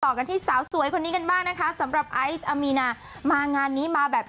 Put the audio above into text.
กันที่สาวสวยคนนี้กันบ้างนะคะสำหรับไอซ์อามีนามางานนี้มาแบบ